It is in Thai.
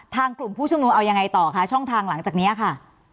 กลุ่มผู้ชุมนุมเอายังไงต่อคะช่องทางหลังจากนี้ค่ะ